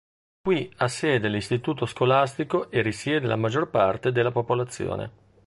Qui ha sede l'istituto scolastico e risiede la maggior parte della popolazione.